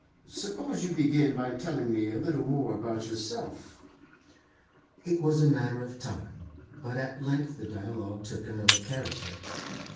Suppose you begin by telling me a little more about yourself?' It was a matter of time, but at length the dialogue took another character.